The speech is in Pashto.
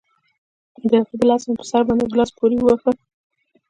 د هغې له لاسه مې په سر باندې گيلاس پورې وواهه.